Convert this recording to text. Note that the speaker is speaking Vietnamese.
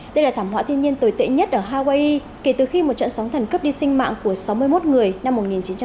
đây là thảm họa thiên nhiên tồi tệ nhất ở hawaii kể từ khi một trận sóng thần cấp đi sinh mạng của sáu mươi một người năm một nghìn chín trăm bảy mươi